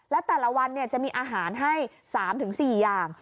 และแต่ละวันจะมีอาหารให้๓๔อย่าง